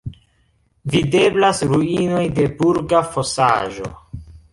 Videblas ruinoj de burga fosaĵo.